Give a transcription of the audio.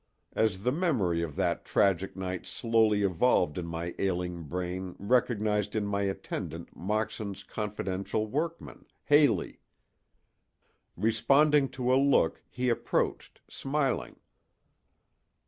As the memory of that tragic night slowly evolved in my ailing brain recognized in my attendant Moxon's confidential workman, Haley. Responding to a look he approached, smiling.